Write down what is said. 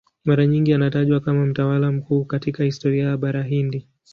Mara nyingi anatajwa kama mtawala mkuu katika historia ya Bara Hindi.